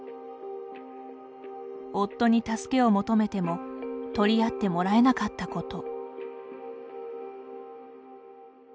夫に助けを求めても取り合ってもらえなかったこと。